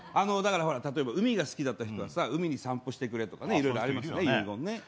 だから例えば海が好きだった人はさ海に散布してくれとかねいろいろありますね遺言ね。